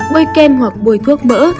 bôi kem hoặc bôi thuốc mỡ